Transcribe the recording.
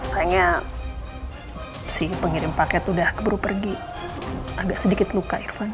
kayaknya si pengirim paket udah baru pergi agak sedikit luka irfan